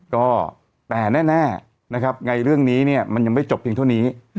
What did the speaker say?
ก็แต่แน่เรื่องนี้มันยังไม่จบเพียงเท่านี้